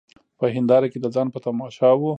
په هینداره کي د ځان په تماشا وه